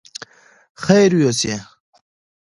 خير يوسې!